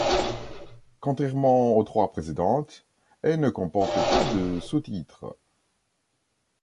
Contrairement aux trois précédentes, elle ne comporte pas de sous-titre.